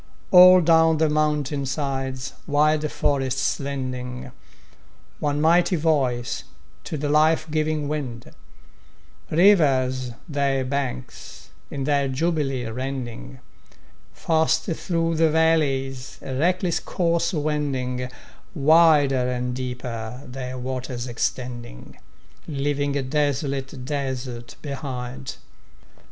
All down the mountain sides wild forests lending One mighty voice to the life giving wind, Rivers their banks in their jubilee rending, Fast through the valleys a reckless course wending, Wider and deeper their waters extending, Leaving a desolate desert behind.